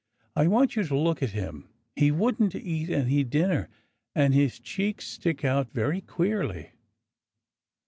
I want you to look at him. He wouldn't eat any dinner, and his cheeks stick out very queerly."